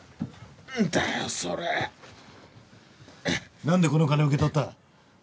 それ何でこの金を受け取った？